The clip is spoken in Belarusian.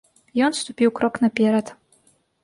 Ён ступіў крок наперад.